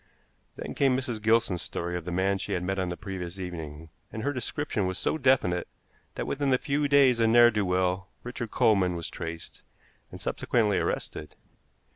Then came Mrs. Gilson's story of the man she had met on the previous evening, and her description was so definite that within a few days a ne'er do well, Richard Coleman, was traced, and subsequently arrested.